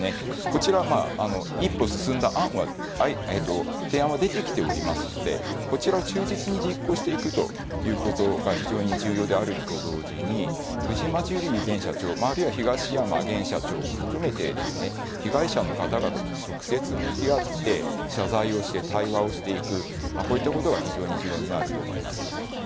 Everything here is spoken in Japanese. こちらは一歩進んだ提案は出てきておりますので、こちらを忠実に実行していくということが非常に重要であると同時に、藤島ジュリー前社長、あるいは東山現社長を含めて被害者の方々と直接向き合って、謝罪をして対話していく、こういったことが非常に重要になると思います。